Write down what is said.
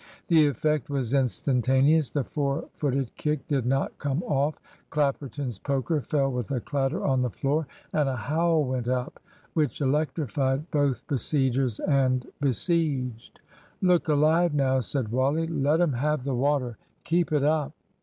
The effect was instantaneous. The four footed kick did not come off. Clapperton's poker fell with a clatter on the floor, and a howl went up which electrified both besiegers and besieged. "Look alive now!" said Wally. "Let 'em have the water! Keep it up!"